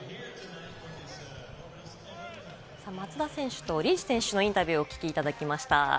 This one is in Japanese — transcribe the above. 松田選手とリーチ選手のインタビューをお聞きいただきました。